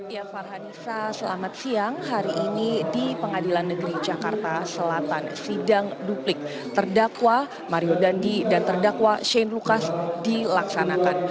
ya farhanisa selamat siang hari ini di pengadilan negeri jakarta selatan sidang duplik terdakwa mario dandi dan terdakwa shane lucas dilaksanakan